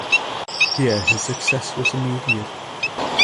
Here his success was immediate.